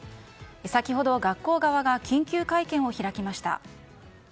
先ほど学校側が緊急会見を開きました。